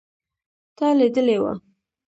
تا لیدلی و